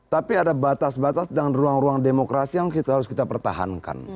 tapi ada batas batas dan ruang ruang demokrasi yang harus kita pertahankan